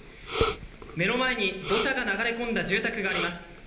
目の前に土砂が流れ込んだ住宅があります。